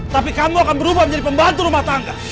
tapi kamu akan berubah menjadi pembantu rumah tangga